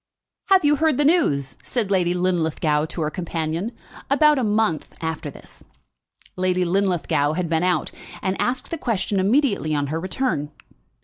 "Have you heard the news?" said Lady Linlithgow to her companion about a month after this. Lady Linlithgow had been out, and asked the question immediately on her return.